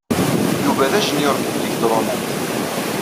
Yuba d ajenyuṛ deg tliktṛunant.